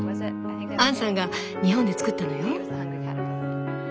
アンさんが日本で作ったのよ。